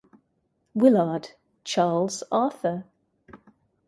Willard, Charles Arthur.